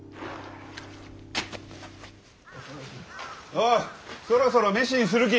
おうそろそろ飯にするき！